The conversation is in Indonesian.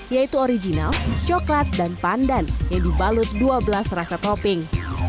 yaitu original coklat dan pandan yang dibalut dua belas rasa topping